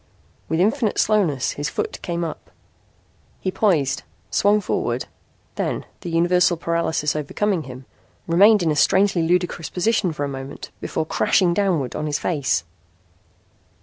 With infinite slowness his foot came up. He poised, swung forward, then, the universal paralysis overcoming him, remained in a strangely ludicrous position for a moment before crashing downward on his face.